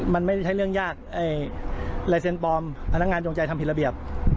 มันไม่ใช่เรื่องยากลายเซ็นต์ปลอมพนักงานจงใจทำผิดระเบียบ